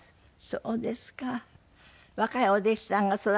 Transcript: そうですか。